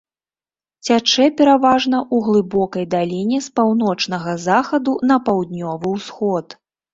Цячэ пераважна ў глыбокай даліне з паўночнага захаду на паўднёвы ўсход.